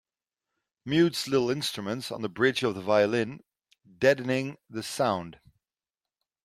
Mutes little instruments on the bridge of the violin, deadening the sound.